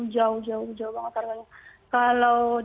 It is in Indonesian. jauh jauh jauh banget harganya